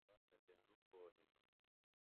جواد کتیݨو پھو ہِنوۡ ؟